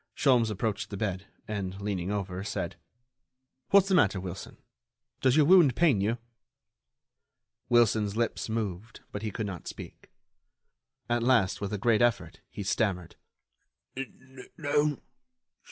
Sholmes approached the bed, and, leaning over, said: "What's the matter, Wilson? Does your wound pain you?" Wilson's lips moved, but he could not speak. At last, with a great effort, he stammered: "No